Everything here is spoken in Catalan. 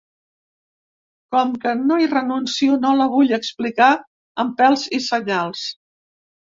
Com que no hi renuncio no la vull explicar amb pèls i senyals.